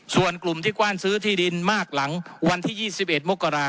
ส่วนกลุ่มที่กว้านซื้อที่ดินมากหลังวันที่๒๑มกราศ